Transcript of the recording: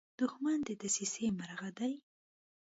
دښمن د دسیسې مرغه دی